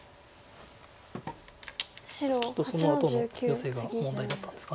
ちょっとそのあとのヨセが問題だったんですかね。